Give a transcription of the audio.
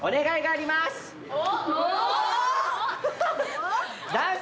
お？